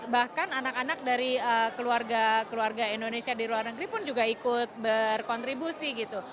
bahkan anak anak dari keluarga keluarga indonesia di luar negeri pun juga ikut berkontribusi gitu